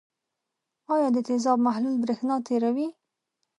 آیا د تیزاب محلول برېښنا تیروي؟